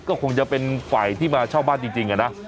ก็คงจะเป็นฝ่ายที่มาเช่าบ้านจริงนะ